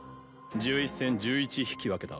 １１戦１１引き分けだ。